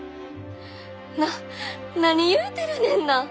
な何言うてるねんな！